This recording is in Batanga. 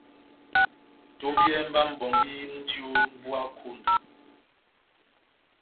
Tombiyɛhɛ mba mʼbongi múji ó mbuwa konda !